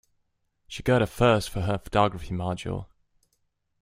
She got a first for her photography module.